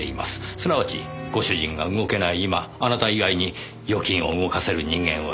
すなわちご主人が動けない今あなた以外に預金を動かせる人間はいない。